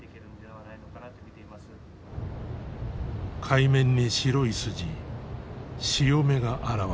海面に白い筋潮目が現れた。